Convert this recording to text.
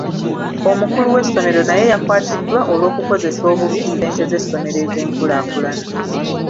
Omukulu w'essomero naye yakwatiddwa olw'okukozesa obubi ssente z'essomero ez'enkulaakulana.